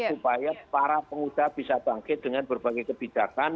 supaya para pengusaha bisa bangkit dengan berbagai kebijakan